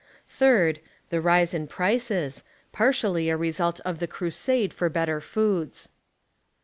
Third, the rise in prices, i)artially a result of the cru sade for better foods.